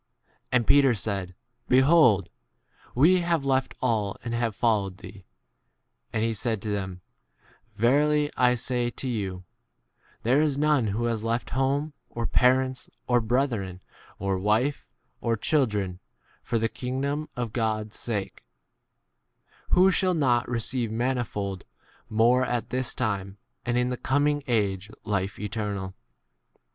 B And Peter said, Behold, we have left all and have followed thee. 9 And he said to them, Verily I say to you, There is none who has left home, 1 or parents, or brethren, or wife, or children, for the kingdom } of God's sake, who shall not re ceive manifold more at this time, and in the coming age life eternal.